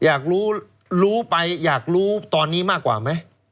อยากรู้รู้ไปอยากรู้ตอนนี้มากกว่าไหม